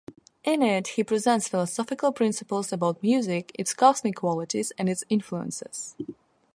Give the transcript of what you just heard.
In it, he presents philosophical principles about music, its cosmic qualities, and its influences.